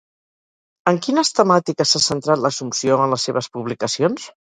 En quines temàtiques s'ha centrat l'Assumpció en les seves publicacions?